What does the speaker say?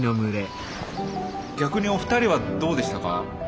逆にお二人はどうでしたか？